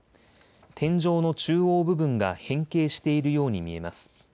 天井の中央部分が変形しているように見えます。